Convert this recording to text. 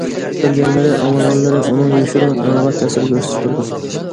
كۆرگەنلىرى، ئاڭلىغانلىرى ئۇنىڭ يوشۇرۇن ئېڭىغا تەسىر كۆرسىتىپ تۇرىدۇ.